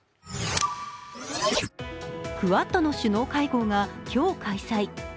クアッドの首脳会合が今日開催。